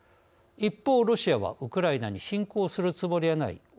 一方ロシアはウクライナに侵攻するつもりはない。